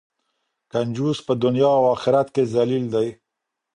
کنجوس په دنیا او آخرت کې ذلیل دی.